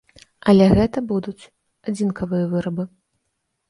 Але гэта будуць адзінкавыя вырабы.